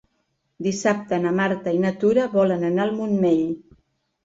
Dissabte na Marta i na Tura volen anar al Montmell.